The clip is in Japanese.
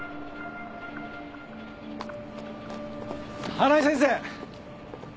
花井先生！